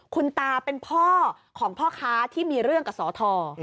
คุณตาเป็นพ่อของพ่อค้าที่มีเรื่องกับสอทอ